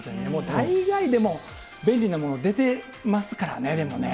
大概でも、便利なもの出てますからね、でもね。